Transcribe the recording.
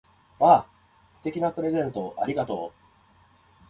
わぁ！素敵なプレゼントをありがとう！